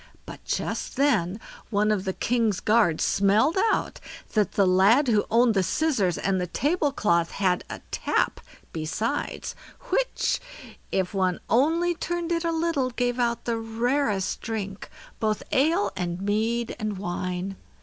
But just then, one of the king's guard smelled out that the lad who had owned the scissors and the table cloth had a tap besides, which, if one only turned it a little, gave out the rarest drink, both ale, and mead, and wine.